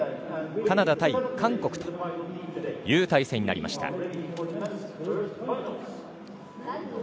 カナダ対韓国という対戦になりました。